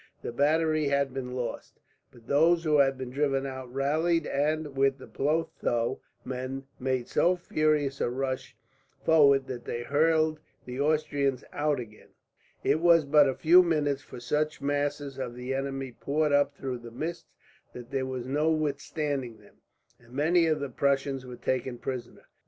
The battery had been lost, but those who had been driven out rallied and, with the Plothow men, made so furious a rush forward that they hurled the Austrians out again. It was but for a few minutes, for such masses of the enemy poured up through the mist that there was no withstanding them, and many of the Prussians were taken prisoners.